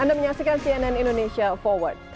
anda menyaksikan cnn indonesia forward